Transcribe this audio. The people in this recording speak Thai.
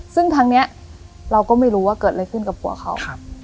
ซึ่งทางนี้เราก็ไม่รู้ว่าเกิดอะไรขึ้นกับผัวเขา